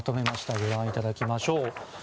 ご覧いただきましょう。